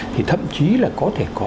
thì thậm chí là có thể có